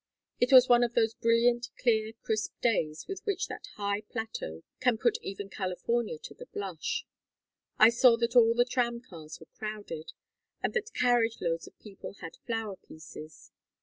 It was one of those brilliant clear crisp days with which that high plateau can put even California to the blush. I saw that all the tram cars were crowded, and that carriage loads of people had flower pieces.